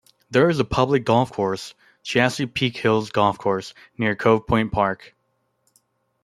There is a public golf course, Chesapeake Hills Golf Course, near Cove Point Park.